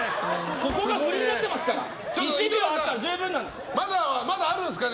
ここがフリになってますからね。